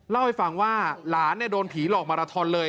เล่าให้ฟังว่าหลานโดนผีหลอกมาราทอนเลย